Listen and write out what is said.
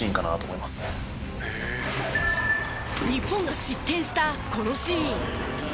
日本が失点したこのシーン。